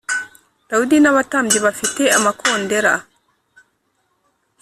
Dawidi n abatambyi bafite amakondera